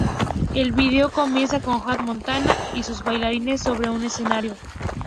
El vídeo comienza con Hannah Montana y sus bailarines sobre un escenario.